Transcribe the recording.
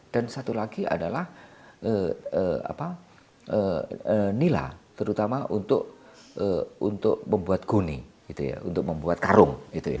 dan satu lagi adalah nila terutama untuk membuat guni untuk membuat karung